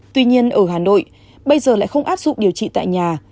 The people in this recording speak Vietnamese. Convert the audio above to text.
tuy nhiên ở hà nội bây giờ lại không áp dụng điều trị tại nhà